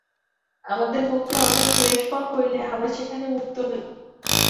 আমাদের মুক্তি অন্যের ক্লেশকর হইলে আমরা সেখানে মুক্ত নই।